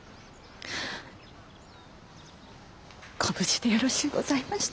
ご無事でよろしゅうございました。